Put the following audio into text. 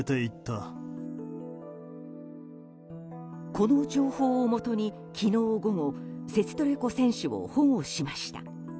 この情報をもとに、昨日午後セチトレコ選手を保護しました。